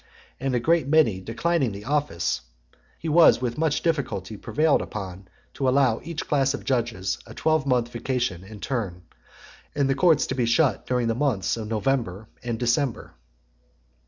And a great many declining the office, he was with much difficulty prevailed upon to allow each class of judges a twelve month's vacation in turn; and the courts to be shut during the months of November and December.